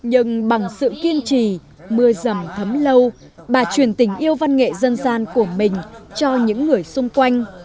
nhưng bằng sự kiên trì mưa rầm thấm lâu bà truyền tình yêu văn nghệ dân gian của mình cho những người xung quanh